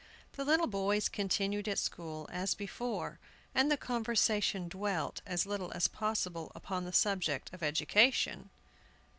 The little boys continued at school, as before, and the conversation dwelt as little as possible upon the subject of education.